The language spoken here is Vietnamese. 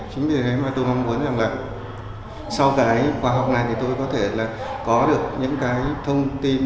chính vì thế mà tôi mong muốn rằng là sau cái khóa học này thì tôi có thể là có được những cái thông tin